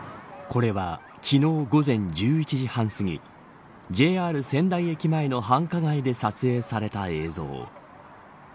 これは昨日午前１１時半すぎＪＲ仙台駅前の繁華街で撮影された映像。